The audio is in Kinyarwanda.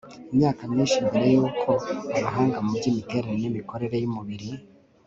imyaka myinshi mbere y'uko abahanga mu by'imiterere n'imikorere y'umubiri